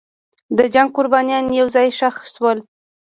د جنګ قربانیان یو ځای ښخ شول.